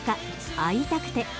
「会いたくて」。